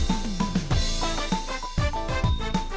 ตอนต่อไป